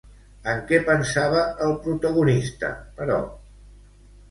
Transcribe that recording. En què pensava el protagonista, però?